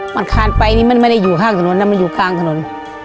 มันคานไปนี่มันไม่ได้อยู่ข้างถนนนะมันอยู่กลางถนน